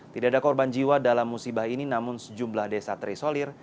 tidak ada korban jiwa dalam musibah ini namun sejumlah desa terisolir